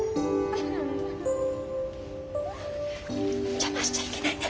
邪魔しちゃいけないね。